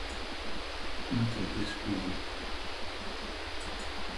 Mācieties fiziku.